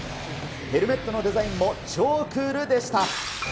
ヘルメットのデザインも超クールでした。